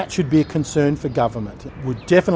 itu harus menjadi perhatian untuk pemerintah